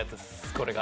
これが。